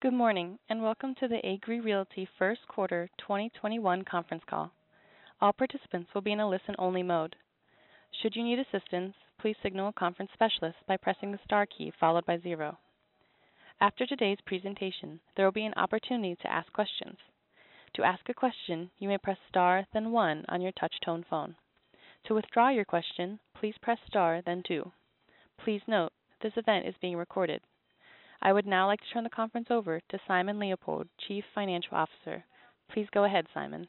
Good morning, and welcome to the Agree Realty first quarter 2021 conference call. All participants will be in a listen only mode. Should you need assistance, please signal the conference specialist by pressing the star key, followed by zero. After today's presentation there will be an opportunity to ask questions. To ask a question you many press star then one on your touch-tone phone. To withdraw your question please press star then two. Please note this session is being recorded. I would now like to turn the conference over to Simon Leopold, Chief Financial Officer. Please go ahead, Simon.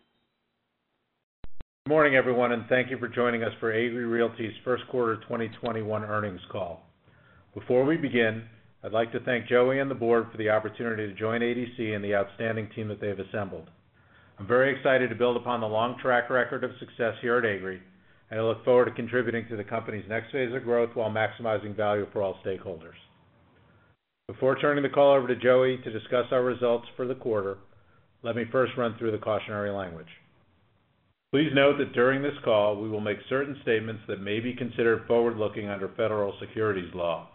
Good morning, everyone, thank you for joining us for Agree Realty's first quarter 2021 earnings call. Before we begin, I'd like to thank Joey and the board for the opportunity to join ADC and the outstanding team that they have assembled. I'm very excited to build upon the long track record of success here at Agree, I look forward to contributing to the company's next phase of growth while maximizing value for all stakeholders. Before turning the call over to Joey to discuss our results for the quarter, let me first run through the cautionary language. Please note that during this call, we will make certain statements that may be considered forward-looking under federal securities law.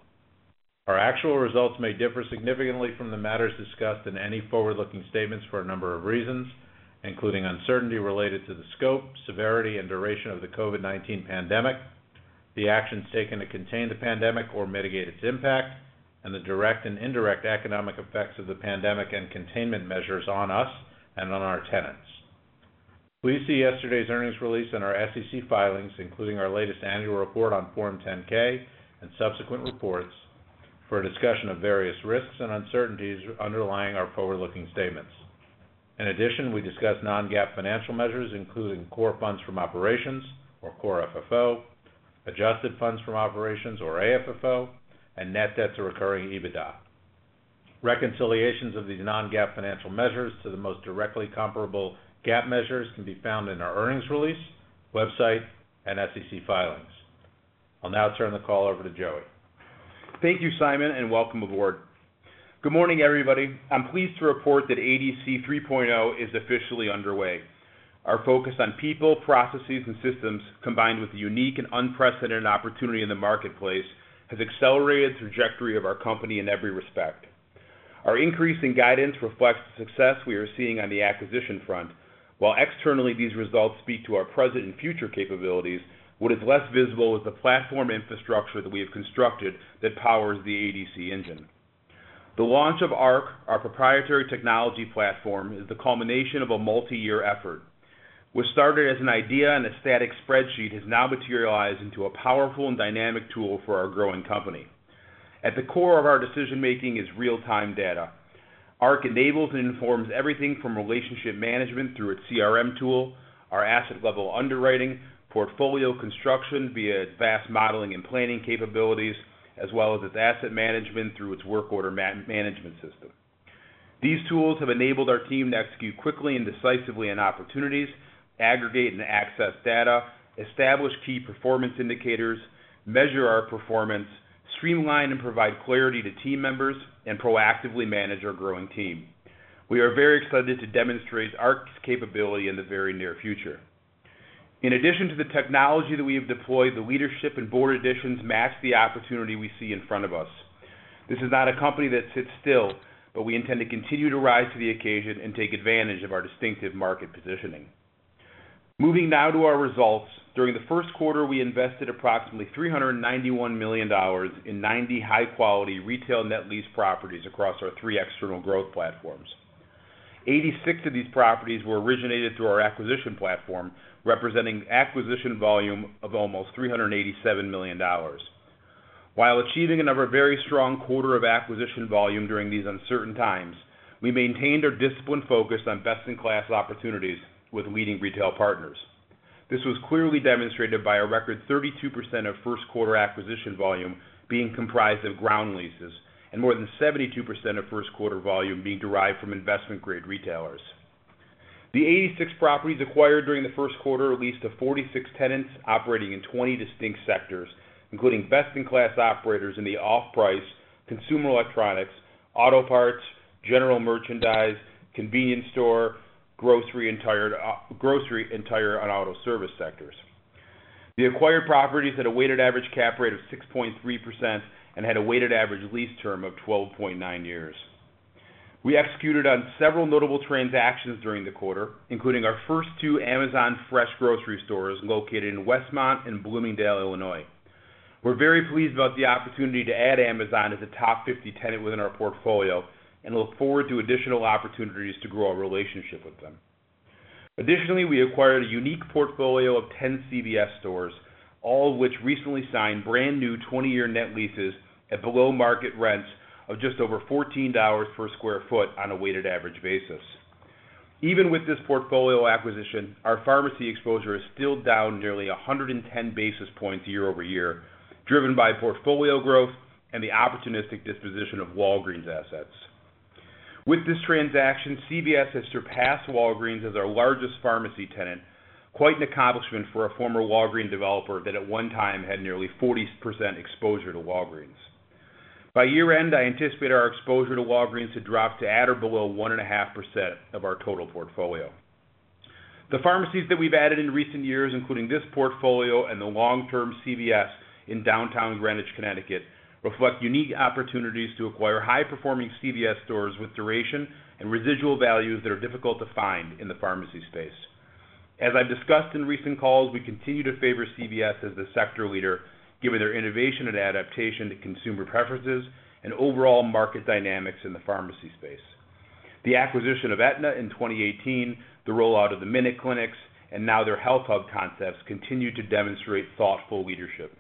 Our actual results may differ significantly from the matters discussed in any forward-looking statements for a number of reasons, including uncertainty related to the scope, severity, and duration of the COVID-19 pandemic, the actions taken to contain the pandemic or mitigate its impact, and the direct and indirect economic effects of the pandemic and containment measures on us and on our tenants. Please see yesterday's earnings release in our SEC filings, including our latest annual report on Form 10-K and subsequent reports for a discussion of various risks and uncertainties underlying our forward-looking statements. In addition, we discuss non-GAAP financial measures, including core funds from operations or core FFO, adjusted funds from operations or AFFO, and net debts to recurring EBITDA. Reconciliations of these non-GAAP financial measures to the most directly comparable GAAP measures can be found in our earnings release, website, and SEC filings. I'll now turn the call over to Joey. Thank you, Simon, and welcome aboard. Good morning, everybody. I'm pleased to report that ADC 3.0 is officially underway. Our focus on people, processes, and systems, combined with the unique and unprecedented opportunity in the marketplace, has accelerated the trajectory of our company in every respect. Our increase in guidance reflects the success we are seeing on the acquisition front. While externally these results speak to our present and future capabilities, what is less visible is the platform infrastructure that we have constructed that powers the ADC engine. The launch of ARC, our proprietary technology platform, is the culmination of a multi-year effort. What started as an idea and a static spreadsheet has now materialized into a powerful and dynamic tool for our growing company. At the core of our decision-making is real-time data. ARC enables and informs everything from relationship management through its CRM tool, our asset-level underwriting, portfolio construction via its vast modeling and planning capabilities, as well as its asset management through its work order management system. These tools have enabled our team to execute quickly and decisively on opportunities, aggregate and access data, establish key performance indicators, measure our performance, streamline and provide clarity to team members, and proactively manage our growing team. We are very excited to demonstrate ARC's capability in the very near future. In addition to the technology that we have deployed, the leadership and board additions match the opportunity we see in front of us. This is not a company that sits still, but we intend to continue to rise to the occasion and take advantage of our distinctive market positioning. Moving now to our results. During the first quarter, we invested approximately $391 million in 90 high-quality retail net lease properties across our three external growth platforms. 86 of these properties were originated through our acquisition platform, representing acquisition volume of almost $387 million. While achieving another very strong quarter of acquisition volume during these uncertain times, we maintained our disciplined focus on best-in-class opportunities with leading retail partners. This was clearly demonstrated by a record 32% of first quarter acquisition volume being comprised of ground leases and more than 72% of first quarter volume being derived from investment-grade retailers. The 86 properties acquired during the first quarter are leased to 46 tenants operating in 20 distinct sectors, including best-in-class operators in the off-price consumer electronics, auto parts, general merchandise, convenience store, grocery, and tire and auto service sectors. The acquired properties had a weighted average cap rate of 6.3% and had a weighted average lease term of 12.9 years. We executed on several notable transactions during the quarter, including our first two Amazon Fresh grocery stores located in Westmont and Bloomingdale, Illinois. We're very pleased about the opportunity to add Amazon as a top 50 tenant within our portfolio and look forward to additional opportunities to grow our relationship with them. Additionally, we acquired a unique portfolio of 10 CVS stores, all of which recently signed brand-new 20-year net leases at below-market rents of just over $14 per square foot on a weighted average basis. Even with this portfolio acquisition, our pharmacy exposure is still down nearly 110 basis points YoY, driven by portfolio growth and the opportunistic disposition of Walgreens assets. With this transaction, CVS has surpassed Walgreens as our largest pharmacy tenant, quite an accomplishment for a former Walgreens developer that at one time had nearly 40% exposure to Walgreens. By year-end, I anticipate our exposure to Walgreens to drop to at or below 1.5% of our total portfolio. The pharmacies that we've added in recent years, including this portfolio and the long-term CVS in downtown Greenwich, Connecticut, reflect unique opportunities to acquire high-performing CVS stores with duration and residual values that are difficult to find in the pharmacy space. As I've discussed in recent calls, we continue to favor CVS as the sector leader, given their innovation and adaptation to consumer preferences and overall market dynamics in the pharmacy space. The acquisition of Aetna in 2018, the rollout of the MinuteClinics, and now their HealthHUB concepts, continue to demonstrate thoughtful leadership.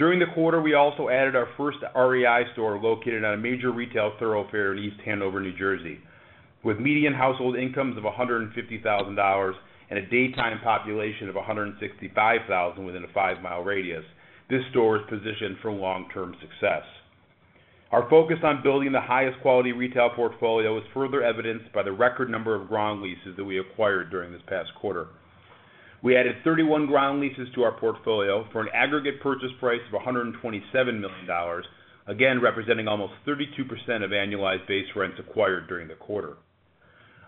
During the quarter, we also added our first REI store located on a major retail thoroughfare in East Hanover, New Jersey. With median household incomes of $150,000 and a daytime population of 165,000 within a five-mile radius, this store is positioned for long-term success. Our focus on building the highest quality retail portfolio is further evidenced by the record number of ground leases that we acquired during this past quarter. We added 31 ground leases to our portfolio for an aggregate purchase price of $127 million, again, representing almost 32% of annualized base rents acquired during the quarter.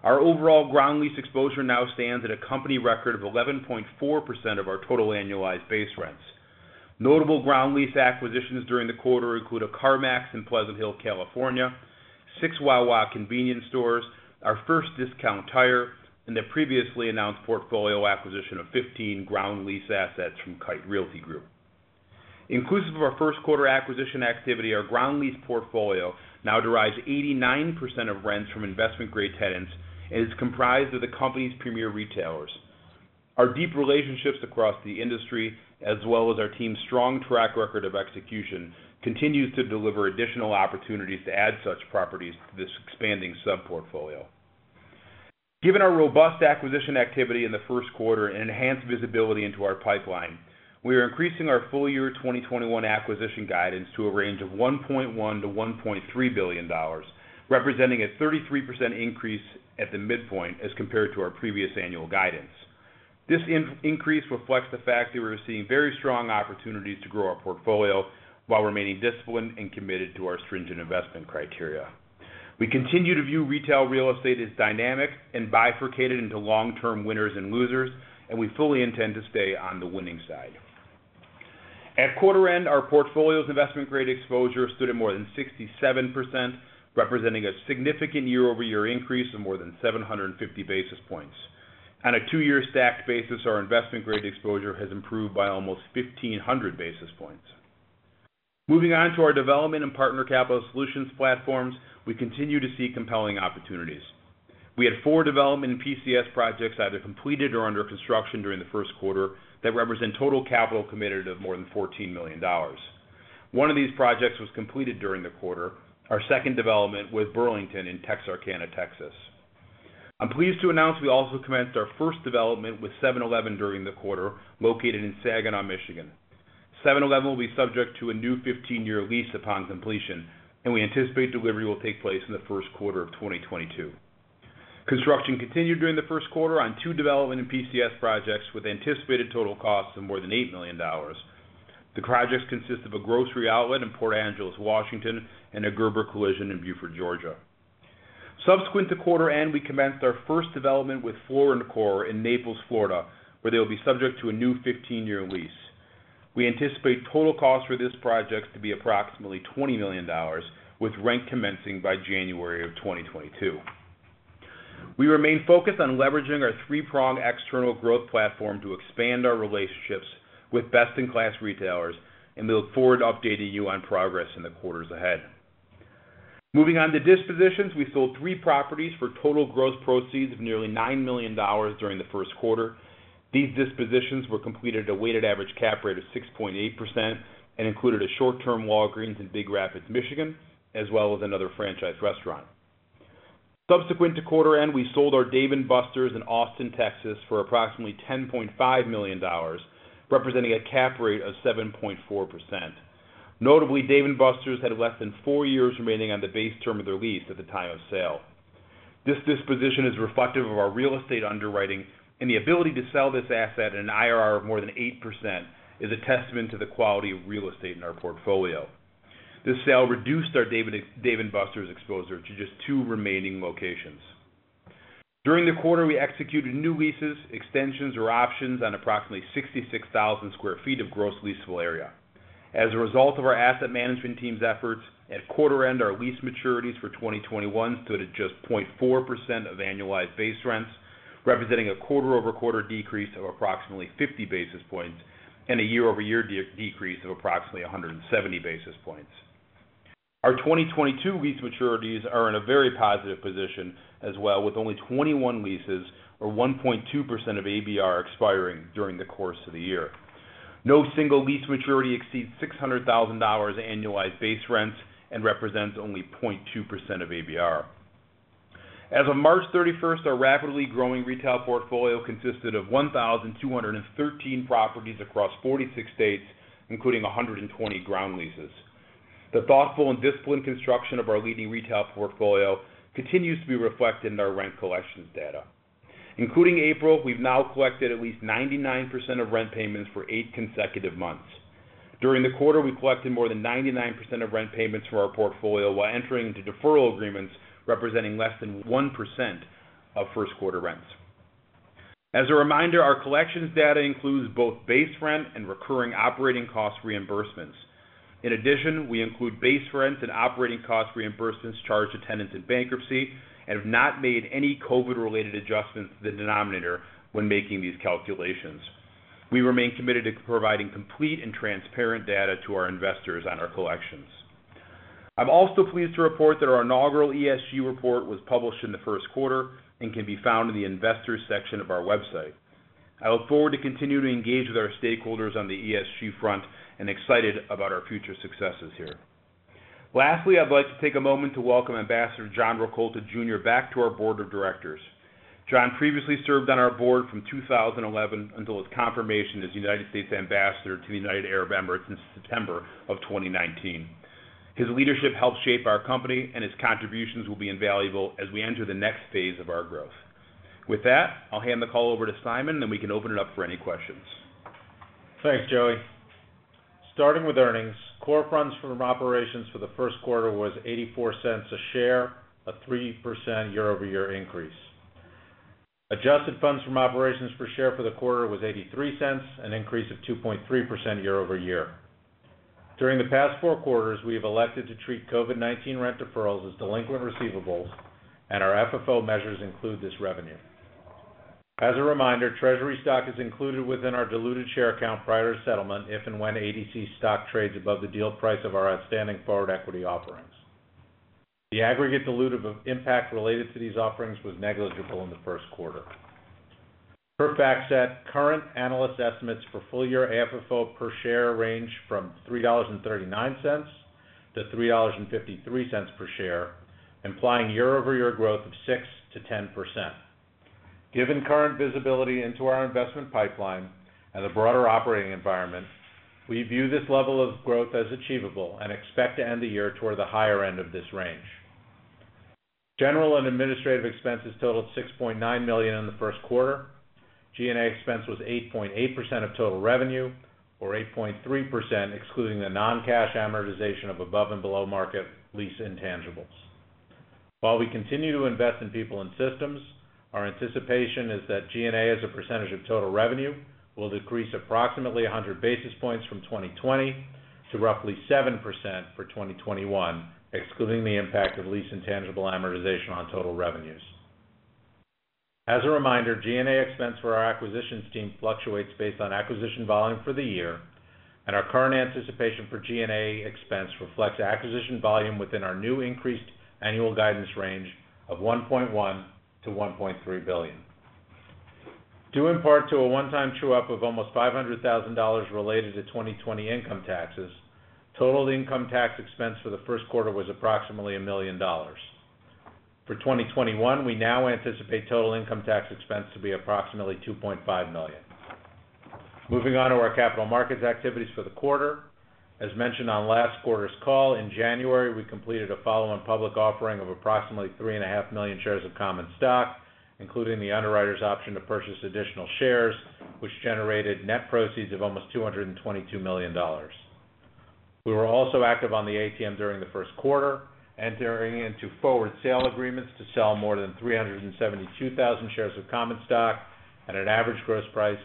Our overall ground lease exposure now stands at a company record of 11.4% of our total annualized base rents. Notable ground lease acquisitions during the quarter include a CarMax in Pleasant Hill, California, six Wawa convenience stores, our first Discount Tire, and the previously announced portfolio acquisition of 15 ground lease assets from Kite Realty Group. Inclusive of our first quarter acquisition activity, our ground lease portfolio now derives 89% of rents from investment-grade tenants and is comprised of the company's premier retailers. Our deep relationships across the industry, as well as our team's strong track record of execution, continue to deliver additional opportunities to add such properties to this expanding sub-portfolio. Given our robust acquisition activity in the first quarter and enhanced visibility into our pipeline, we are increasing our full year 2021 acquisition guidance to a range of $1.1 billion-$1.3 billion, representing a 33% increase at the midpoint as compared to our previous annual guidance. This increase reflects the fact that we're seeing very strong opportunities to grow our portfolio while remaining disciplined and committed to our stringent investment criteria. We continue to view retail real estate as dynamic and bifurcated into long-term winners and losers. We fully intend to stay on the winning side. At quarter end, our portfolio's investment-grade exposure stood at more than 67%, representing a significant YoY increase of more than 750 basis points. On a two-year stacked basis, our investment-grade exposure has improved by almost 1,500 basis points. Moving on to our development and Partner Capital Solutions platforms, we continue to see compelling opportunities. We had four development and PCS projects either completed or under construction during the first quarter that represent total capital committed of more than $14 million. One of these projects was completed during the quarter, our second development with Burlington in Texarkana, Texas. I'm pleased to announce we also commenced our first development with 7-Eleven during the quarter, located in Saginaw, Michigan. 7-Eleven will be subject to a new 15-year lease upon completion, and we anticipate delivery will take place in the first quarter of 2022. Construction continued during the first quarter on two development and PCS projects with anticipated total costs of more than $8 million. The projects consist of a Grocery Outlet in Port Angeles, Washington, and a Gerber Collision in Buford, Georgia. Subsequent to quarter end, we commenced our first development with Floor & Decor in Naples, Florida, where they'll be subject to a new 15-year lease. We anticipate total cost for this project to be approximately $20 million, with rent commencing by January of 2022. We remain focused on leveraging our three-pronged external growth platform to expand our relationships with best-in-class retailers, and we look forward to updating you on progress in the quarters ahead. Moving on to dispositions. We sold three properties for total gross proceeds of nearly $9 million during the first quarter. These dispositions were completed at a weighted average cap rate of 6.8% and included a short-term Walgreens in Big Rapids, Michigan, as well as another franchise restaurant. Subsequent to quarter end, we sold our Dave & Buster's in Austin, Texas for approximately $10.5 million, representing a cap rate of 7.4%. Notably, Dave & Buster's had less than four years remaining on the base term of their lease at the time of sale. This disposition is reflective of our real estate underwriting and the ability to sell this asset at an IRR of more than 8% is a testament to the quality of real estate in our portfolio. This sale reduced our Dave & Buster's exposure to just two remaining locations. During the quarter, we executed new leases, extensions, or options on approximately 66,000 square feet of gross leasable area. As a result of our asset management team's efforts, at quarter end our lease maturities for 2021 stood at just 0.4% of annualized base rents, representing a QoQ decrease of approximately 50 basis points and a YoY decrease of approximately 170 basis points. Our 2022 lease maturities are in a very positive position as well, with only 21 leases or 1.2% of ABR expiring during the course of the year. No single lease maturity exceeds $600,000 annualized base rents and represents only 0.2% of ABR. As of March 31st, our rapidly growing retail portfolio consisted of 1,213 properties across 46 states, including 120 ground leases. The thoughtful and disciplined construction of our leading retail portfolio continues to be reflected in our rent collections data. Including April, we've now collected at least 99% of rent payments for eight consecutive months. During the quarter, we collected more than 99% of rent payments from our portfolio while entering into deferral agreements representing less than 1% of first quarter rents. As a reminder, our collections data includes both base rent and recurring operating cost reimbursements. In addition, we include base rents and operating cost reimbursements charged to tenants in bankruptcy and have not made any COVID-related adjustments to the denominator when making these calculations. We remain committed to providing complete and transparent data to our investors on our collections. I'm also pleased to report that our inaugural ESG report was published in the first quarter and can be found in the investors section of our website. I look forward to continuing to engage with our stakeholders on the ESG front and excited about our future successes here. Lastly, I'd like to take a moment to welcome Ambassador John Rakolta Jr. back to our board of directors. John previously served on our board from 2011 until his confirmation as United States Ambassador to the United Arab Emirates in September of 2019. His leadership helped shape our company, and his contributions will be invaluable as we enter the next phase of our growth. With that, I'll hand the call over to Simon, then we can open it up for any questions. Thanks, Joey. Starting with earnings, Core Funds From Operations for the first quarter was $0.84 a share, a 3% YoY increase. Adjusted Funds From Operations per share for the quarter was $0.83, an increase of 2.3% YoY. During the past four quarters, we have elected to treat COVID-19 rent deferrals as delinquent receivables, and our FFO measures include this revenue. As a reminder, treasury stock is included within our diluted share count prior to settlement if and when ADC stock trades above the deal price of our outstanding forward equity offerings. The aggregate dilutive impact related to these offerings was negligible in the first quarter. Per FactSet, current analyst estimates for full year AFFO per share range from $3.39-$3.53 per share, implying YoY growth of 6%-10%. Given current visibility into our investment pipeline and the broader operating environment, we view this level of growth as achievable and expect to end the year toward the higher end of this range. General and administrative expenses totaled $6.9 million in the first quarter. G&A expense was 8.8% of total revenue, or 8.3% excluding the non-cash amortization of above and below market lease intangibles. While we continue to invest in people and systems, our anticipation is that G&A as a percentage of total revenue will decrease approximately 100 basis points from 2020 to roughly 7% for 2021, excluding the impact of lease intangible amortization on total revenues. As a reminder, G&A expense for our acquisitions team fluctuates based on acquisition volume for the year, and our current anticipation for G&A expense reflects acquisition volume within our new increased annual guidance range of $1.1 billion-$1.3 billion. Due in part to a one-time true-up of almost $500,000 related to 2020 income taxes, total income tax expense for the first quarter was approximately $1 million. For 2021, we now anticipate total income tax expense to be approximately $2.5 million. Moving on to our capital markets activities for the quarter. As mentioned on last quarter's call, in January, we completed a follow-on public offering of approximately 3.5 million shares of common stock, including the underwriter's option to purchase additional shares, which generated net proceeds of almost $222 million. We were also active on the ATM during the first quarter, entering into forward sale agreements to sell more than 372,000 shares of common stock at an average gross price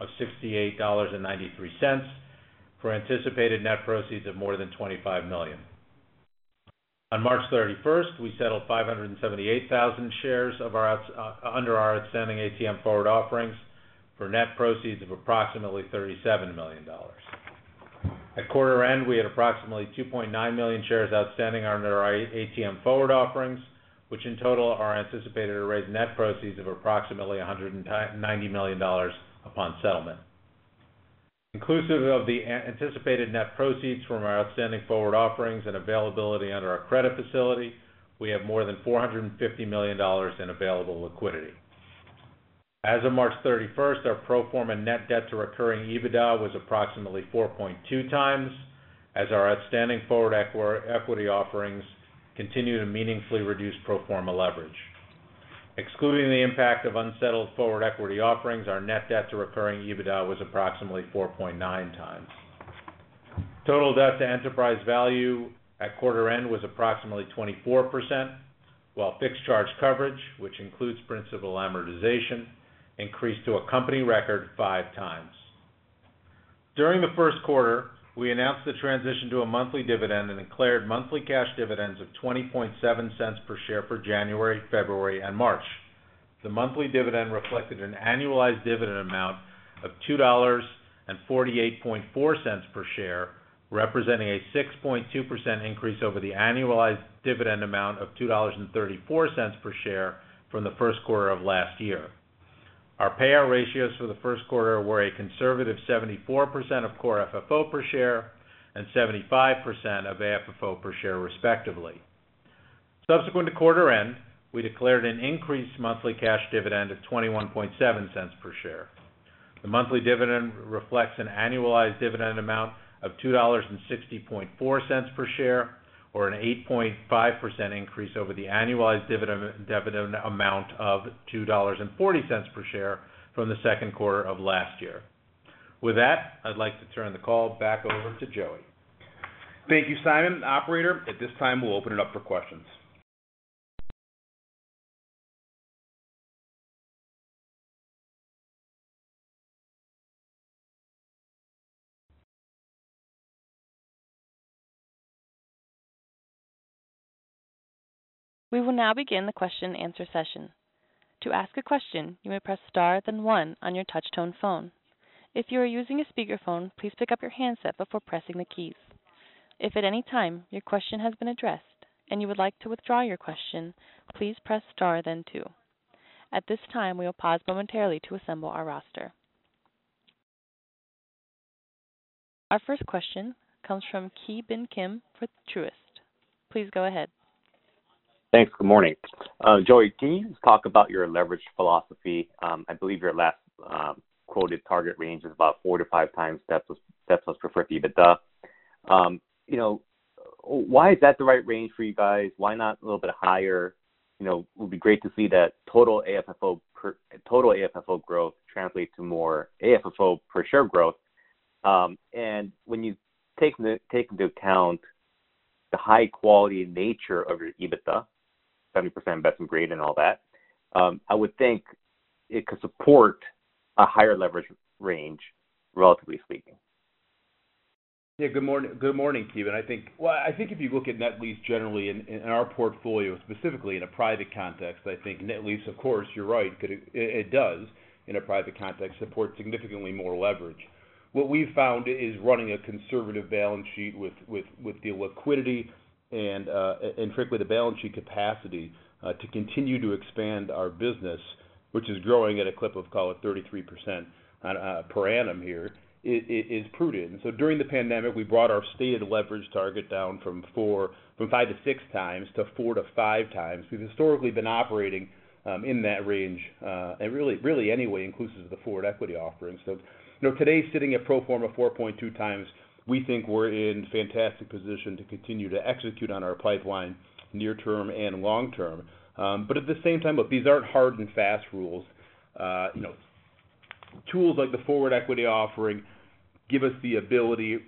of $68.93 for anticipated net proceeds of more than $25 million. On March 31st, we settled 578,000 shares under our outstanding ATM forward offerings for net proceeds of approximately $37 million. At quarter end, we had approximately 2.9 million shares outstanding on our ATM forward offerings, which in total are anticipated to raise net proceeds of approximately $190 million upon settlement. Inclusive of the anticipated net proceeds from our outstanding forward offerings and availability under our credit facility, we have more than $450 million in available liquidity. As of March 31st, our pro forma net debt to recurring EBITDA was approximately 4.2x, as our outstanding forward equity offerings continue to meaningfully reduce pro forma leverage. Excluding the impact of unsettled forward equity offerings, our net debt to recurring EBITDA was approximately 4.9x. Total debt to enterprise value at quarter end was approximately 24%, while fixed charge coverage, which includes principal amortization, increased to a company record five times. During the first quarter, we announced the transition to a monthly dividend and declared monthly cash dividends of $0.207 per share for January, February, and March. The monthly dividend reflected an annualized dividend amount of $2.484 per share, representing a 6.2% increase over the annualized dividend amount of $2.34 per share from the first quarter of last year. Our payout ratios for the first quarter were a conservative 74% of core FFO per share and 75% of AFFO per share, respectively. Subsequent to quarter end, we declared an increased monthly cash dividend of $0.217 per share. The monthly dividend reflects an annualized dividend amount of $2.604 per share, or an 8.5% increase over the annualized dividend amount of $2.40 per share from the second quarter of last year. With that, I'd like to turn the call back over to Joey. Thank you, Simon. Operator, at this time, we'll open it up for questions. We will now begin the question and answer session. To ask a question you may press star then one on your touch-tone phone. If you are using a speakerphone, please pick up your handset before pressing the keys. If at any time your question has been addressed and you would like to withdraw your question press star then two. At this time, we will pause momentarily to assemble our roster. Our first question comes from Ki Bin Kim for Truist. Please go ahead. Thanks. Good morning. Joey, can you talk about your leverage philosophy? I believe your last quoted target range is about four to five times debt to pro forma EBITDA. Why is that the right range for you guys? Why not a little bit higher? It would be great to see that total AFFO growth translate to more AFFO per share growth. When you take into account the high quality nature of your EBITDA, 70% investment grade and all that, I would think it could support a higher leverage range, relatively speaking. Yeah. Good morning, Ki Bin. I think if you look at net lease generally, and our portfolio specifically in a private context, I think net lease, of course, you're right, it does in a private context support significantly more leverage. What we've found is running a conservative balance sheet with the liquidity and frankly, the balance sheet capacity to continue to expand our business, which is growing at a clip of call it 33% per annum here, is prudent. During the pandemic, we brought our stated leverage target down from five to six times to four to five times. We've historically been operating in that range. Really anyway, inclusive of the forward equity offering, today, sitting at pro forma 4.2x, we think we're in a fantastic position to continue to execute on our pipeline near term and long term. At the same time, look, these aren't hard and fast rules. Tools like the forward equity offering give us the ability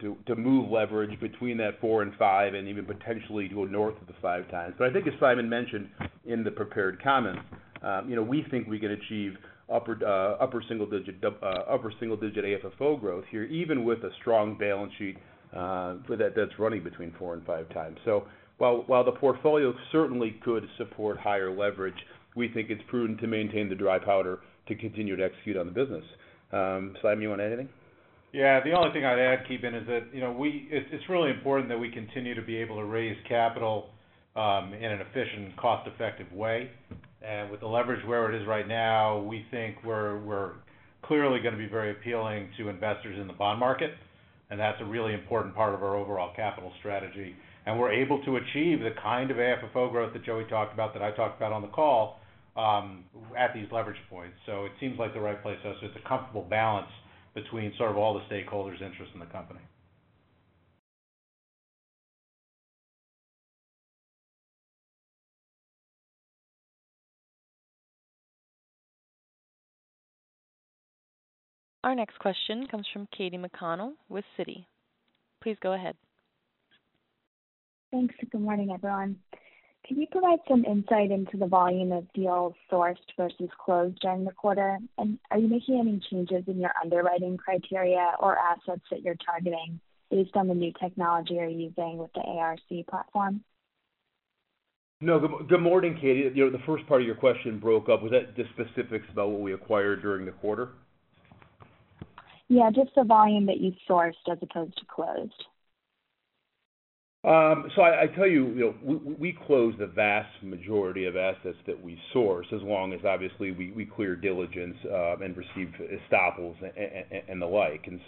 to move leverage between that four and five, and even potentially to go north of the five times. I think as Simon mentioned in the prepared comments, we think we can achieve upper single digit AFFO growth here, even with a strong balance sheet that's running between four and five times. While the portfolio certainly could support higher leverage, we think it's prudent to maintain the dry powder to continue to execute on the business. Simon, you want to add anything? Yeah. The only thing I'd add, Ki Bin, is that it's really important that we continue to be able to raise capital in an efficient and cost-effective way. With the leverage where it is right now, we think we're clearly going to be very appealing to investors in the bond market, and that's a really important part of our overall capital strategy. We're able to achieve the kind of AFFO growth that Joey talked about, that I talked about on the call, at these leverage points. It seems like the right place. It's a comfortable balance between sort of all the stakeholders' interests in the company. Our next question comes from Katy McConnell with Citi. Please go ahead. Thanks. Good morning, everyone. Can you provide some insight into the volume of deals sourced versus closed during the quarter? Are you making any changes in your underwriting criteria or assets that you're targeting based on the new technology you're using with the ARC platform? No. Good morning, Katy. The first part of your question broke up. Was that the specifics about what we acquired during the quarter? Yeah, just the volume that you sourced as opposed to closed. I tell you, we close the vast majority of assets that we source, as long as obviously we clear diligence, and receive estoppels and the like. In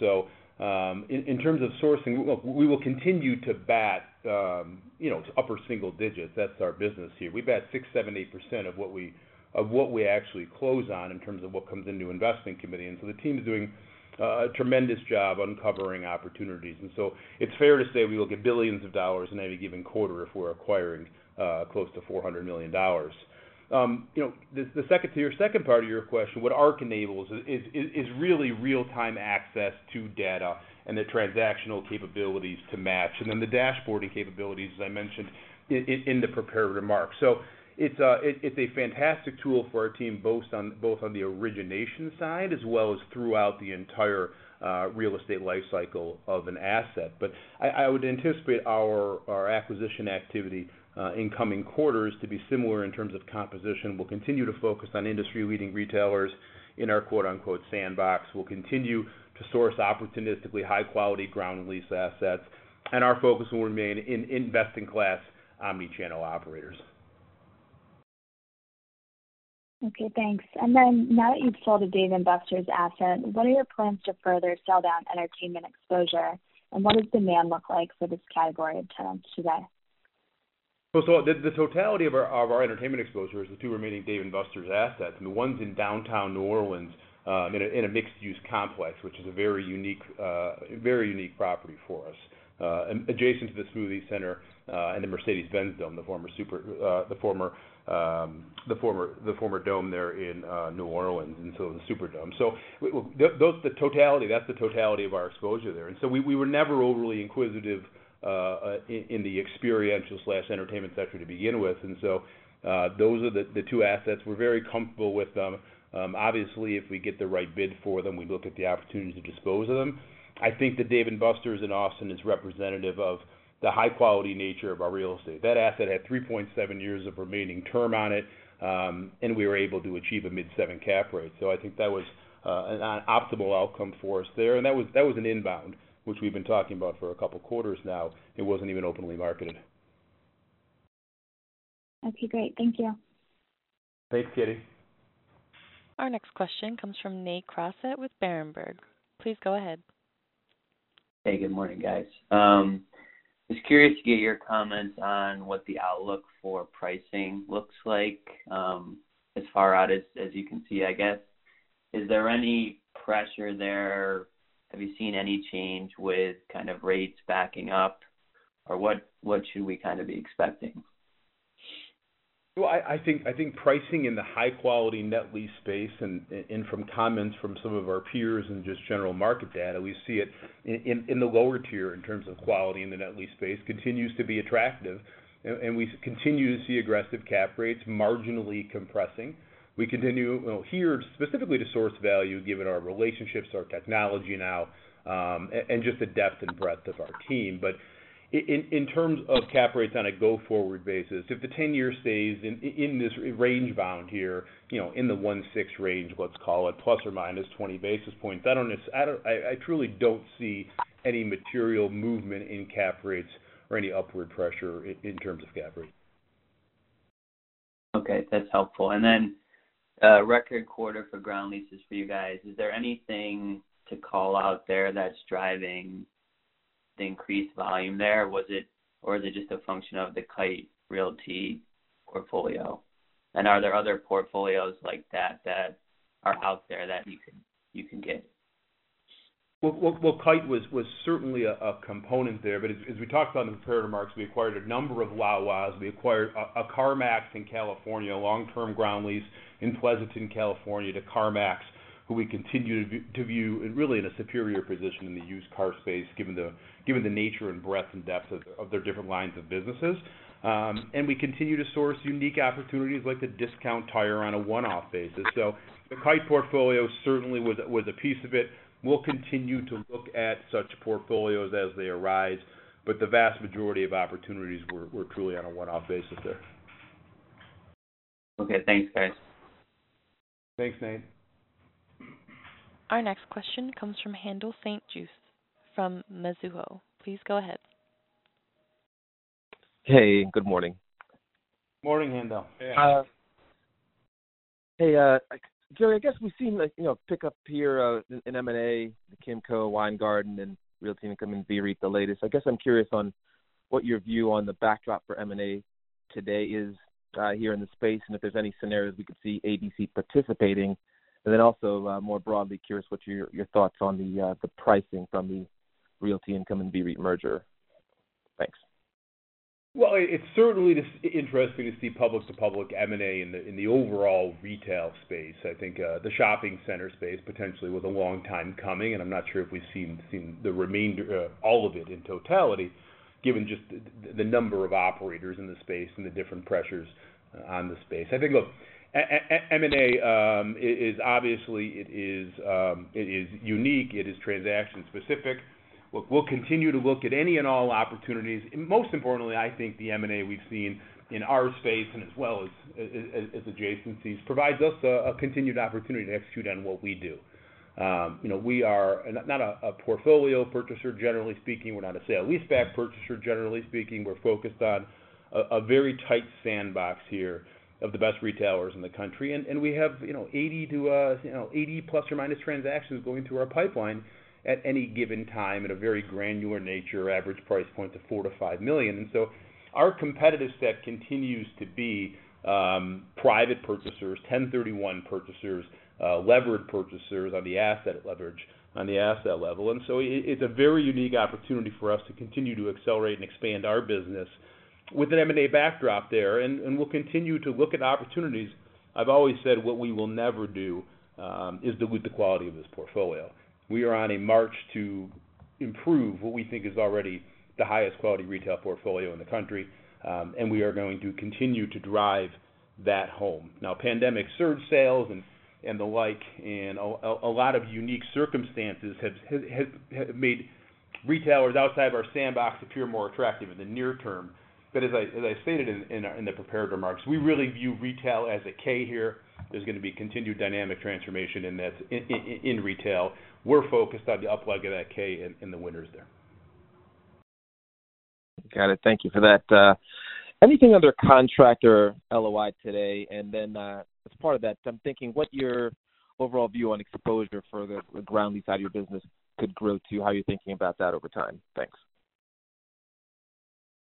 terms of sourcing, look, we will continue to bat to upper single digits. That's our business here. We bat 6%, 7%, 8% of what we actually close on in terms of what comes into investment committee. The team is doing a tremendous job uncovering opportunities. It's fair to say we look at billions of dollars in any given quarter if we're acquiring close to $400 million. To your second part of your question, what ARC enables is really real-time access to data and the transactional capabilities to match, and then the dashboarding capabilities, as I mentioned in the prepared remarks. It's a fantastic tool for our team, both on the origination side as well as throughout the entire real estate life cycle of an asset. I would anticipate our acquisition activity in coming quarters to be similar in terms of composition. We'll continue to focus on industry-leading retailers in our quote-unquote sandbox. We'll continue to source opportunistically high-quality ground lease assets, and our focus will remain in best-in-class omni-channel operators. Okay, thanks. Now that you've sold a Dave & Buster's asset, what are your plans to further sell down entertainment exposure, and what does demand look like for this category in terms today? The totality of our entertainment exposure is the two remaining Dave & Buster's assets and the ones in downtown New Orleans, in a mixed-use complex, which is a very unique property for us. Adjacent to the Smoothie King Center and the Mercedes-Benz dome, the former dome there in New Orleans, the Superdome. That's the totality of our exposure there. We were never overly inquisitive in the experiential/entertainment sector to begin with. Those are the two assets. We're very comfortable with them. Obviously, if we get the right bid for them, we'd look at the opportunities to dispose of them. I think the Dave & Buster's in Austin is representative of the high-quality nature of our real estate. That asset had 3.7 years of remaining term on it, and we were able to achieve a mid-seven cap rate. I think that was an optimal outcome for us there. That was an inbound, which we've been talking about for a couple of quarters now. It wasn't even openly marketed. Okay, great. Thank you. Thanks, Katy. Our next question comes from Nathan Crossett with Berenberg. Please go ahead. Hey, good morning, guys. Just curious to get your comments on what the outlook for pricing looks like, as far out as you can see, I guess. Is there any pressure there? Have you seen any change with kind of rates backing up? What should we be expecting? I think pricing in the high-quality net lease space and from comments from some of our peers and just general market data, we see it in the lower tier in terms of quality in the net lease space continues to be attractive. We continue to see aggressive cap rates marginally compressing. We continue to hear specifically to source value, given our relationships, our technology now, and just the depth and breadth of our team. In terms of cap rates on a go-forward basis, if the 10-year stays in this range bound here, in the 1.6% range, let's call it ±20 basis points, I truly don't see any material movement in cap rates or any upward pressure in terms of cap rates. Okay. That's helpful. Record quarter for ground leases for you guys. Is there anything to call out there that's driving the increased volume there? Or is it just a function of the Kite Realty portfolio? Are there other portfolios like that that are out there that you can get? Well, Kite was certainly a component there, but as we talked about in the prepared remarks, we acquired a number of Wawas. We acquired a CarMax in California, a long-term ground lease in Pleasanton, California, to CarMax, who we continue to view in really in a superior position in the used car space, given the nature and breadth and depth of their different lines of businesses. We continue to source unique opportunities like The Discount Tire on a one-off basis. The Kite portfolio certainly was a piece of it. We'll continue to look at such portfolios as they arise, but the vast majority of opportunities were truly on a one-off basis there. Okay, thanks, guys. Thanks, Nate. Our next question comes from Haendel St. Juste from Mizuho. Please go ahead. Hey, good morning. Morning, Haendel. Yeah. Hey, Joey, I guess we've seen like, pick up here, in M&A, the Kimco Realty, Weingarten Realty Investors, and Realty Income Corporation and VEREIT, Inc. the latest. I guess I'm curious on what your view on the backdrop for M&A today is here in the space, and if there's any scenarios we could see ADC participating. Also, more broadly curious what your thoughts on the pricing from the Realty Income Corporation and VEREIT, Inc. merger. Thanks. Well, it's certainly interesting to see public-to-public M&A in the overall retail space. I think the shopping center space potentially was a long time coming, and I'm not sure if we've seen all of it in totality given just the number of operators in the space and the different pressures on the space. I think, look, M&A, obviously it is unique. It is transaction specific. We'll continue to look at any and all opportunities, and most importantly, I think the M&A we've seen in our space and as well as adjacencies, provides us a continued opportunity to execute on what we do. We are not a portfolio purchaser, generally speaking. We're not a sale leaseback purchaser, generally speaking. We're focused on a very tight sandbox here of the best retailers in the country. We have ±80 transactions going through our pipeline at any given time at a very granular nature, average price point to $4 million-$5 million. Our competitive set continues to be private purchasers, 1031 purchasers, levered purchasers on the asset leverage on the asset level. It's a very unique opportunity for us to continue to accelerate and expand our business with an M&A backdrop there, and we'll continue to look at opportunities. I've always said what we will never do is dilute the quality of this portfolio. We are on a march to improve what we think is already the highest quality retail portfolio in the country. We are going to continue to drive that home. Now, pandemic surge sales and the like, and a lot of unique circumstances have made retailers outside of our sandbox appear more attractive in the near term. But as I stated in the prepared remarks, we really view retail as a K here. There's going to be continued dynamic transformation in retail. We're focused on the uplift of that K and the winners there. Got it. Thank you for that. Anything under contract or LOI today? As part of that, I'm thinking what your overall view on exposure for the ground lease out of your business could grow to, how you're thinking about that over time. Thanks.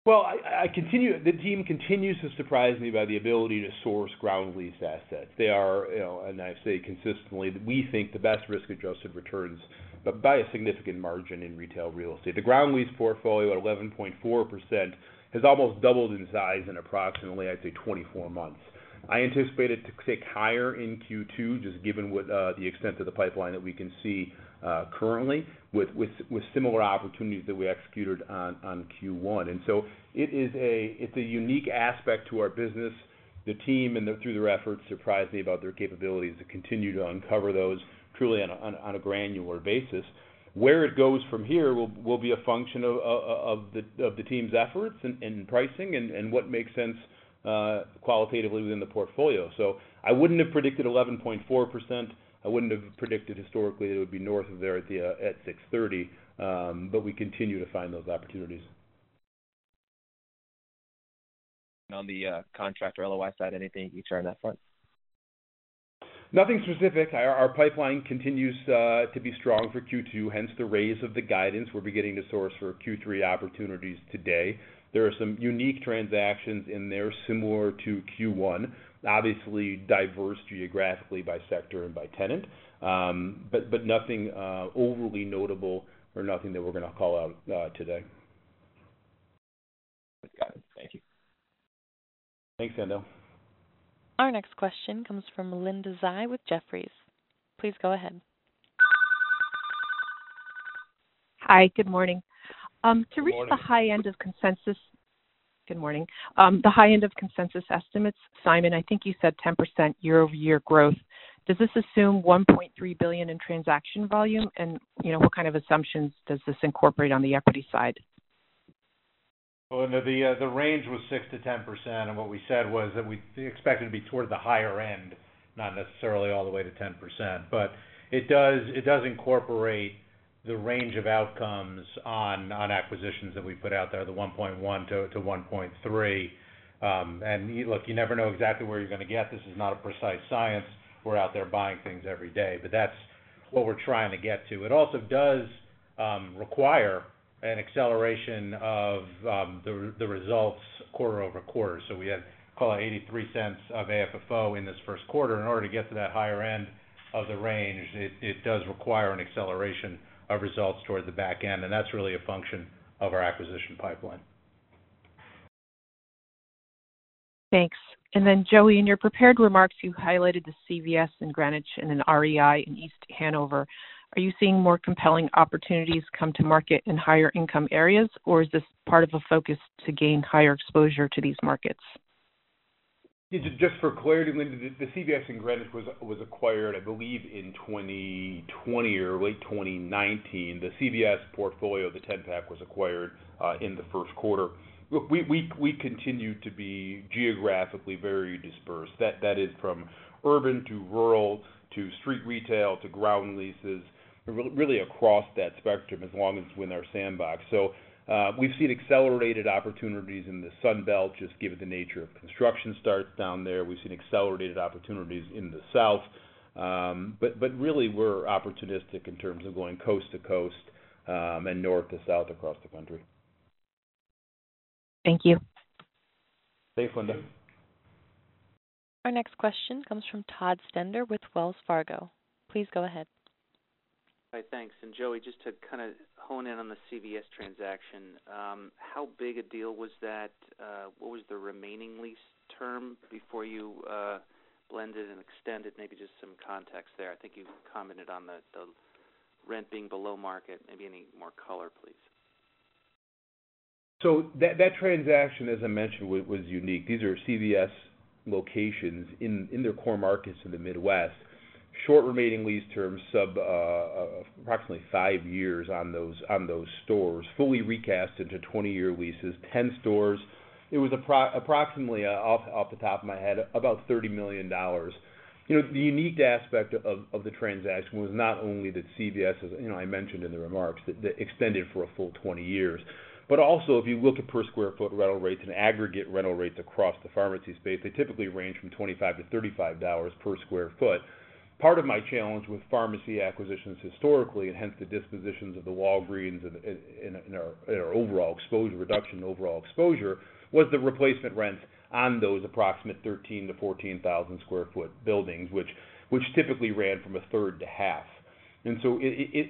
Well, the team continues to surprise me by the ability to source ground lease assets. They are, and I say consistently, we think the best risk-adjusted returns by a significant margin in retail real estate. The ground lease portfolio at 11.4% has almost doubled in size in approximately, I'd say, 24 months. I anticipate it to tick higher in Q2, just given the extent of the pipeline that we can see currently, with similar opportunities that we executed on Q1. It's a unique aspect to our business. The team, and through their efforts, surprise me about their capabilities to continue to uncover those truly on a granular basis. Where it goes from here will be a function of the team's efforts and pricing and what makes sense qualitatively within the portfolio. I wouldn't have predicted 11.4%. I wouldn't have predicted historically that it would be north of there at 630. We continue to find those opportunities. On the contract or LOI side, anything you can share on that front? Nothing specific. Our pipeline continues to be strong for Q2, hence the raise of the guidance. We're beginning to source for Q3 opportunities today. There are some unique transactions in there similar to Q1. Obviously diverse geographically by sector and by tenant. Nothing overly notable or nothing that we're going to call out today. Got it. Thank you. Thanks, Haendel. Our next question comes from Linda Tsai with Jefferies. Please go ahead. Hi. Good morning. Good morning. To reach the high end of consensus estimates, Simon, I think you said 10% YoY growth. Does this assume $1.3 billion in transaction volume? What kind of assumptions does this incorporate on the equity side? Well, Linda, the range was 6%-10%, and what we said was that we expect it to be toward the higher end, not necessarily all the way to 10%, but it does incorporate the range of outcomes on acquisitions that we put out there, the $1.1 billion-$1.3 billion. Look, you never know exactly where you're going to get. This is not a precise science. We're out there buying things every day, but that's what we're trying to get to. It also does require an acceleration of the results QoQ. We had call it $0.83 of AFFO in this first quarter. In order to get to that higher end of the range, it does require an acceleration of results toward the back end, that's really a function of our acquisition pipeline. Thanks. Joey, in your prepared remarks, you highlighted the CVS in Greenwich and an REI in East Hanover. Are you seeing more compelling opportunities come to market in higher income areas, or is this part of a focus to gain higher exposure to these markets? Just for clarity, Linda, the CVS in Greenwich was acquired I believe in 2020 or late 2019. The CVS portfolio, the 10-pack, was acquired in the first quarter. Look, we continue to be geographically very dispersed. That is from urban to rural to street retail to ground leases, really across that spectrum as long as it's in our sandbox. We've seen accelerated opportunities in the Sun Belt, just given the nature of construction starts down there. We've seen accelerated opportunities in the South. Really we're opportunistic in terms of going coast to coast and north to south across the country. Thank you. Thanks, Linda. Our next question comes from Todd Stender with Wells Fargo. Please go ahead. Hi, thanks. Joey, just to kind of hone in on the CVS transaction, how big a deal was that? What was the remaining lease term before you blended and extended? Maybe just some context there. I think you commented on the rent being below market. Maybe any more color, please. That transaction, as I mentioned, was unique. These are CVS locations in their core markets in the Midwest. Short remaining lease terms, approximately five years on those stores. Fully recast into 20-year leases, 10 stores. It was approximately, off the top of my head, about $30 million. The unique aspect of the transaction was not only that CVS, as I mentioned in the remarks, extended for a full 20 years. Also, if you look at per sq ft rental rates and aggregate rental rates across the pharmacy space, they typically range from $25 to $35 per sq ft. Part of my challenge with pharmacy acquisitions historically, and hence the dispositions of the Walgreens and our reduction in overall exposure, was the replacement rents on those approximate 13 to 14,000 sq ft buildings, which typically ran from 1/3 to 1/2.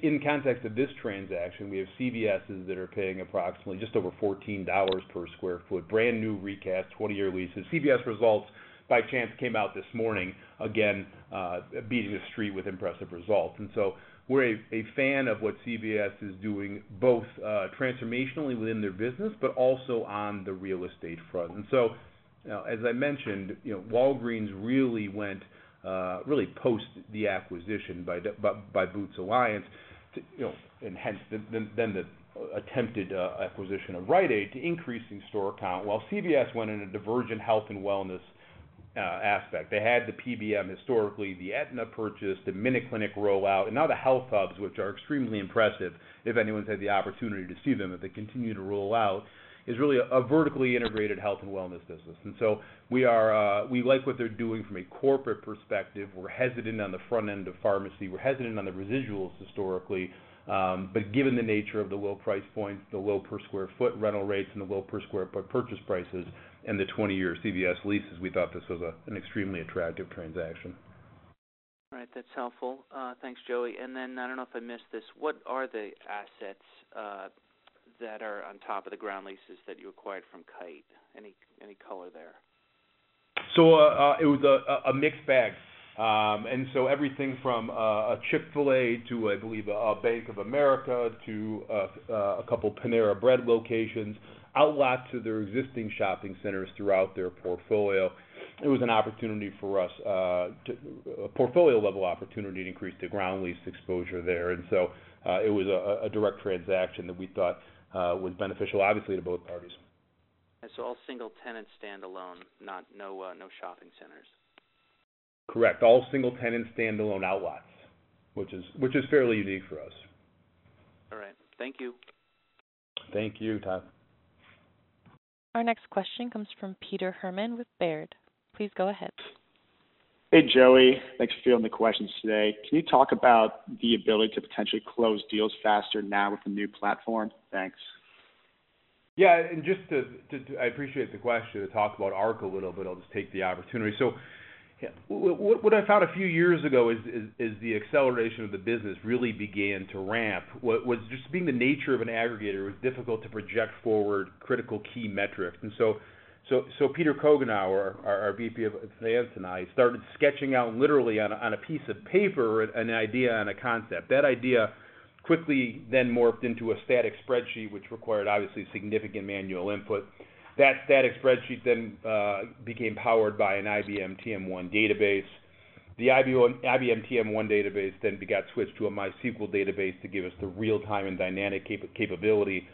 In context of this transaction, we have CVSs that are paying approximately just over $14 per square foot, brand new recast, 20-year leases. CVS results, by chance, came out this morning, again, beating the street with impressive results. We're a fan of what CVS is doing, both transformationally within their business, but also on the real estate front. As I mentioned, Walgreens really post the acquisition by Boots Alliance, and hence then the attempted acquisition of Rite Aid to increase in store count, while CVS went in a divergent health and wellness aspect. They had the PBM historically, the Aetna purchase, the MinuteClinic rollout, and now the HealthHUBs, which are extremely impressive if anyone's had the opportunity to see them, that they continue to roll out, is really a vertically integrated health and wellness business. We like what they're doing from a corporate perspective. We're hesitant on the front end of pharmacy. We're hesitant on the residuals historically. Given the nature of the low price points, the low per square foot rental rates, and the low per square foot purchase prices, and the 20-year CVS leases, we thought this was an extremely attractive transaction. All right. That's helpful. Thanks, Joey. I don't know if I missed this, what are the assets that are on top of the ground leases that you acquired from Kite? Any color there? It was a mixed bag. Everything from a Chick-fil-A to, I believe, a Bank of America to a couple Panera Bread locations, outlots of their existing shopping centers throughout their portfolio. It was an opportunity for us, a portfolio-level opportunity to increase the ground lease exposure there. It was a direct transaction that we thought was beneficial, obviously, to both parties. All single-tenant standalone, no shopping centers. Correct. All single-tenant standalone outlots, which is fairly unique for us. All right. Thank you. Thank you, Todd. Our next question comes from Peter Hermann with Baird. Please go ahead. Hey, Joey. Thanks for fielding the questions today. Can you talk about the ability to potentially close deals faster now with the new platform? Thanks. I appreciate the question to talk about ARC a little bit. I'll just take the opportunity. What I found a few years ago is the acceleration of the business really began to ramp, was just being the nature of an aggregator, it was difficult to project forward critical key metrics. Peter Coughenour, our VP of finance, and I started sketching out literally on a piece of paper, an idea and a concept. That idea quickly then morphed into a static spreadsheet, which required obviously significant manual input. That static spreadsheet then became powered by an IBM TM1 database. The IBM TM1 database then got switched to a MySQL database to give us the real-time and dynamic capability.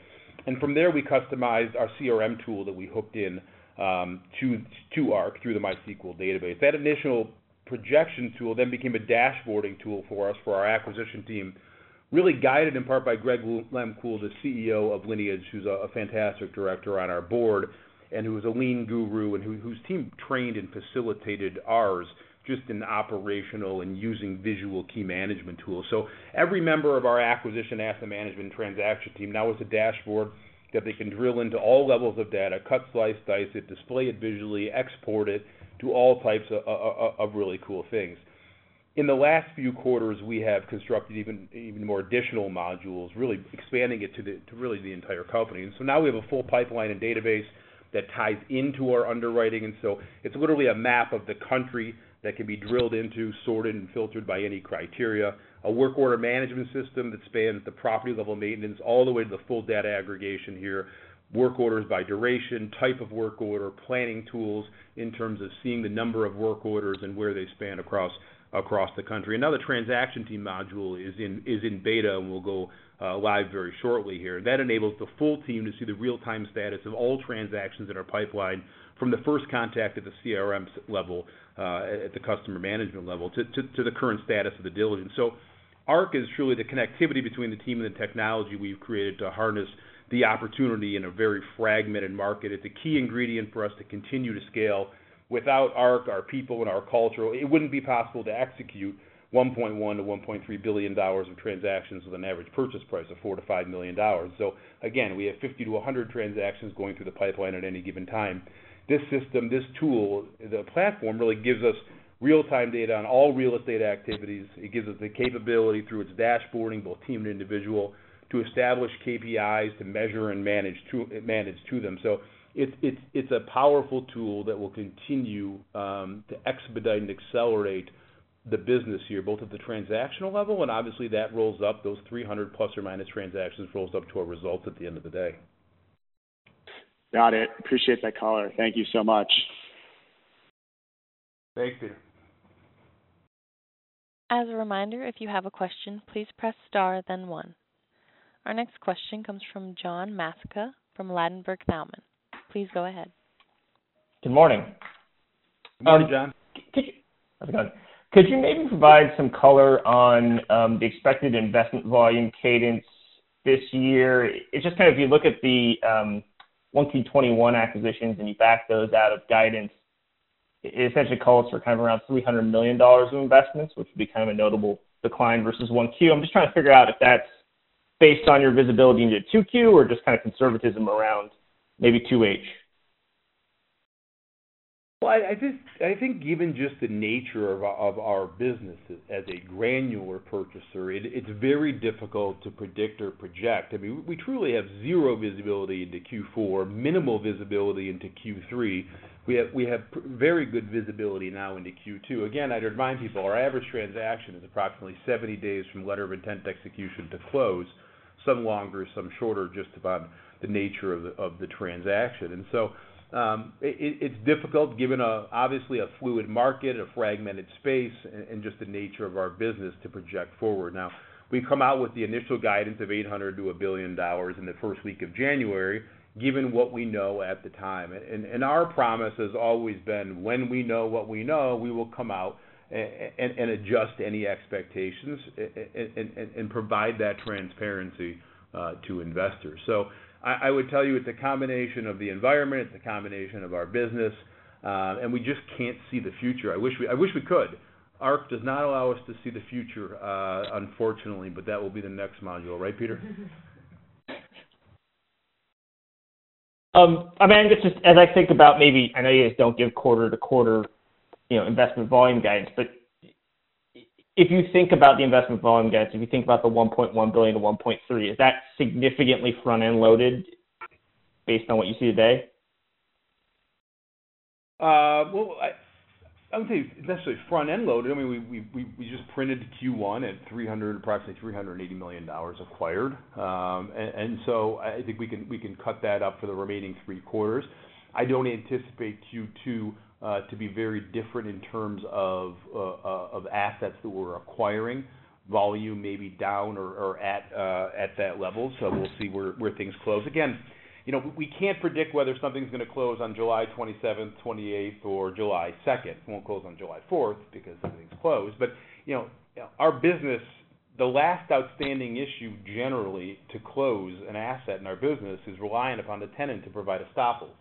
From there, we customized our CRM tool that we hooked in to ARC through the MySQL database. That initial projection tool became a dashboarding tool for us, for our acquisition team, really guided in part by Greg Lehmkuhl, the CEO of Lineage, who's a fantastic director on our board, and who is a lean guru and whose team trained and facilitated ours just in operational and using visual key management tools. Every member of our acquisition asset management transaction team now has a dashboard that they can drill into all levels of data, cut, slice, dice it, display it visually, export it, do all types of really cool things. In the last few quarters, we have constructed even more additional modules, really expanding it to really the entire company. Now we have a full pipeline and database that ties into our underwriting. It's literally a map of the country that can be drilled into, sorted, and filtered by any criteria. A work order management system that spans the property-level maintenance all the way to the full data aggregation here. Work orders by duration, type of work order, planning tools in terms of seeing the number of work orders and where they span across the country. Another transaction team module is in beta and will go live very shortly here. That enables the full team to see the real-time status of all transactions in our pipeline from the first contact at the CRM level, at the customer management level, to the current status of the diligence. ARC is truly the connectivity between the team and the technology we've created to harness the opportunity in a very fragmented market. It's a key ingredient for us to continue to scale. Without ARC, our people, and our culture, it wouldn't be possible to execute $1.1 billion-$1.3 billion of transactions with an average purchase price of $4 million-$5 million. Again, we have 50 to 100 transactions going through the pipeline at any given time. This system, this tool, the platform really gives us real-time data on all real estate activities. It gives us the capability through its dashboarding, both team and individual, to establish KPIs, to measure and manage to them. It's a powerful tool that will continue to expedite and accelerate the business here, both at the transactional level and obviously that rolls up, those ±300 transactions rolls up to a result at the end of the day. Got it. Appreciate that color. Thank you so much. Thank you. As a reminder, if you have a question, please press star then one. Our next question comes from John Massocca from Ladenburg Thalmann. Please go ahead. Good morning. Morning, John. Could you maybe provide some color on the expected investment volume cadence this year? You look at the Q1 2021 acquisitions, and you back those out of guidance, it essentially calls for around $300 million of investments, which would be a notable decline versus Q1. I'm just trying to figure out if that's based on your visibility into Q2 or just conservatism around maybe H2. Well, I think given just the nature of our business as a granular purchaser, it's very difficult to predict or project. I mean, we truly have zero visibility into Q4, minimal visibility into Q3. We have very good visibility now into Q2. Again, I'd remind people, our average transaction is approximately 70 days from letter of intent to execution to close. Some longer, some shorter, just by the nature of the transaction. It's difficult given obviously a fluid market, a fragmented space, and just the nature of our business to project forward. Now, we've come out with the initial guidance of $800-$1 billion in the first week of January, given what we know at the time. Our promise has always been, when we know what we know, we will come out and adjust any expectations and provide that transparency to investors. I would tell you it's a combination of the environment, it's a combination of our business. We just can't see the future. I wish we could. ARC does not allow us to see the future, unfortunately. That will be the next module, right, Peter? I know you guys don't give quarter-to-quarter investment volume guidance, but if you think about the $1.1 billion-$1.3 billion, is that significantly front-end loaded based on what you see today? Well, I wouldn't say it's necessarily front-end loaded. We just printed Q1 at approximately $380 million acquired. I think we can cut that up for the remaining three quarters. I don't anticipate Q2 to be very different in terms of assets that we're acquiring. Volume may be down or at that level, we'll see where things close. Again, we can't predict whether something's going to close on July 27th, 28th, or July 2nd. It won't close on July 4th because everything's closed. The last outstanding issue generally to close an asset in our business is reliant upon the tenant to provide estoppels.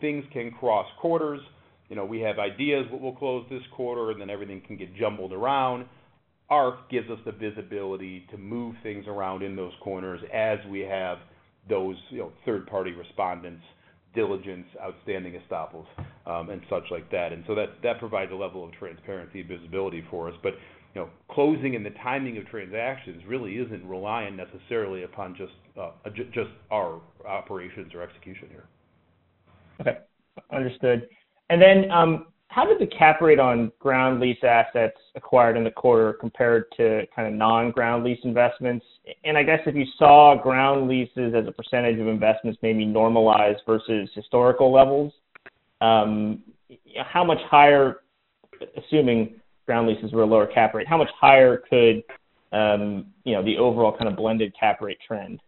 Things can cross quarters. We have ideas what will close this quarter, everything can get jumbled around. ARC gives us the visibility to move things around in those corners as we have those third-party respondents, diligence, outstanding estoppels, and such like that. That provides a level of transparency and visibility for us. Closing and the timing of transactions really isn't reliant necessarily upon just our operations or execution here. Okay. Understood. How did the cap rate on ground lease assets acquired in the quarter compare to kind of non-ground lease investments? I guess if you saw ground leases as a percentage of investments, maybe normalized versus historical levels, how much higher, assuming ground leases were a lower cap rate, how much higher could the overall kind of blended cap rate trend?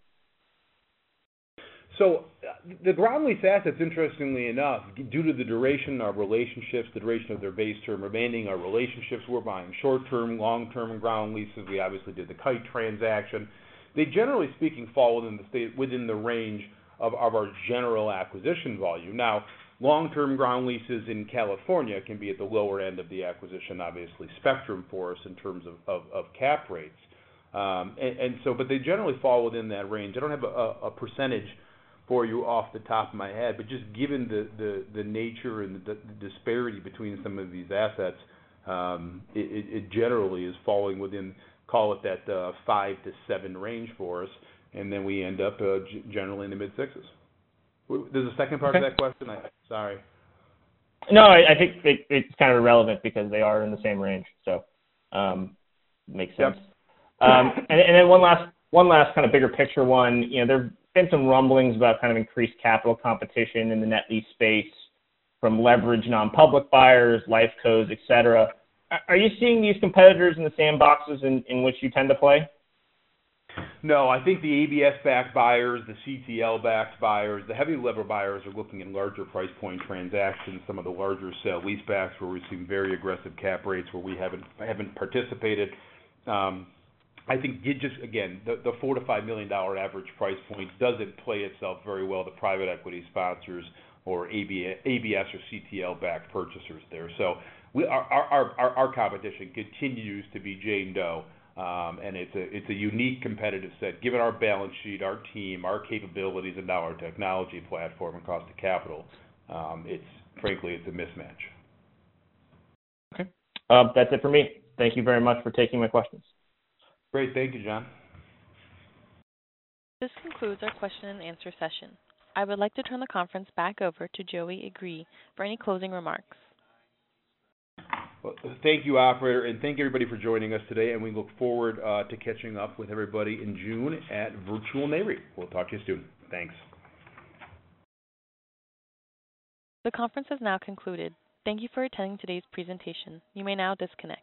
The ground lease assets, interestingly enough, due to the duration of relationships, the duration of their base term remaining, our relationships, we're buying short-term, long-term ground leases. We obviously did the Kite transaction. They, generally speaking, fall within the range of our general acquisition volume. Long-term ground leases in California can be at the lower end of the acquisition, obviously, spectrum for us in terms of cap rates. They generally fall within that range. I don't have a percentage for you off the top of my head, but just given the nature and the disparity between some of these assets, it generally is falling within, call it that five to seven range for us, and then we end up generally in the mid-sixes. There's a second part to that question? Sorry. No, I think it's kind of irrelevant because they are in the same range. Makes sense. Yep. One last kind of bigger picture one. There have been some rumblings about kind of increased capital competition in the net lease space from leveraged non-public buyers, life cos, et cetera. Are you seeing these competitors in the same boxes in which you tend to play? I think the ABS-backed buyers, the CTL-backed buyers, the heavily levered buyers are looking in larger price point transactions, some of the larger sale-leasebacks. We're seeing very aggressive cap rates where I haven't participated. I think, again, the $4 million-$5 million average price point doesn't play itself very well to private equity sponsors or ABS or CTL-backed purchasers there. Our competition continues to be Jane Doe, and it's a unique competitive set. Given our balance sheet, our team, our capabilities, and now our technology platform and cost of capital, frankly, it's a mismatch. Okay. That's it for me. Thank you very much for taking my questions. Great. Thank you, John. This concludes our question and answer session. I would like to turn the conference back over to Joey Agree for any closing remarks. Well, thank you, operator, and thank you, everybody, for joining us today, and we look forward to catching up with everybody in June at Virtual Nareit. We'll talk to you soon. Thanks. The conference has now concluded. Thank you for attending today's presentation. You may now disconnect.